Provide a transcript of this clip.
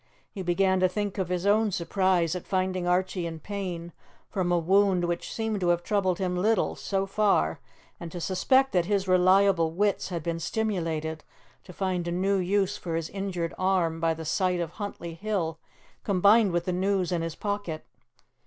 He began to think of his own surprise at finding Archie in pain from a wound which seemed to have troubled him little, so far, and to suspect that his reliable wits had been stimulated to find a new use for his injured arm by the sight of Huntly Hill combined with the news in his pocket.